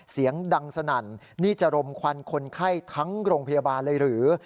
เสียงดังสนั่นนี่จะรมควันคนไข้ทั้งโรงพยาบาลเลยหรือ